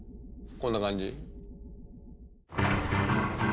こんな感じ？